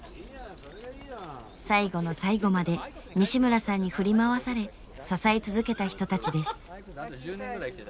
最後の最後まで西村さんに振り回され支え続けた人たちです。